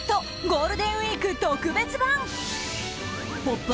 ゴールデンウィーク特別版「ポップＵＰ！」